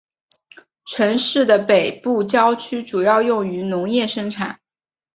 城市的北部郊区主要用于农业生产。